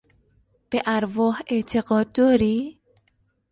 به ارواح اعتقاد داری؟